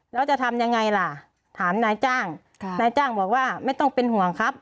แล้วจะทำยังไงล่ะถามนายจ้างนายจ้างบอกว่าไม่ต้องเป็นห่วงครับ